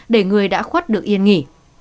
để người đã khuất được yên nghỉ